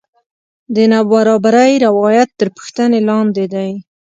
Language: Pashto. د نابرابرۍ روایت تر پوښتنې لاندې دی.